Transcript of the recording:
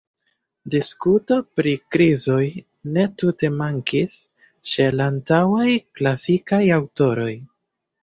Diskuto pri krizoj ne tute mankis ĉe la antaŭaj klasikaj aŭtoroj.